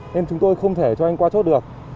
nên chúng tôi không thể cho anh qua chốt được